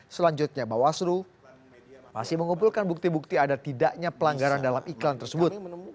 selanjutnya bawaslu masih mengumpulkan bukti bukti ada tidaknya pelanggaran dalam iklan tersebut